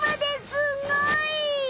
すんごい！